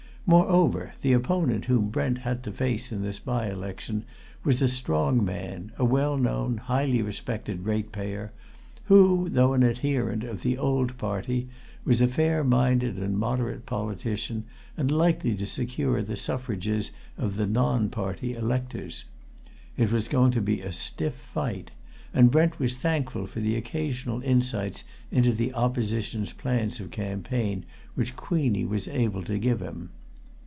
Moreover, the opponent whom Brent had to face in this by election was a strong man, a well known, highly respected ratepayer, who, though an adherent of the Old Party, was a fair minded and moderate politician, and likely to secure the suffrages of the non party electors. It was going to be a stiff fight, and Brent was thankful for the occasional insights into the opposition's plans of campaign which Queenie was able to give him.